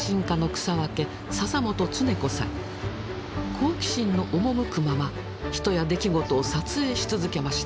好奇心の赴くまま人や出来事を撮影し続けました。